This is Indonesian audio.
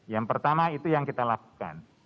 yang pertama itu yang kita lakukan